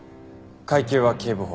階級は警部補。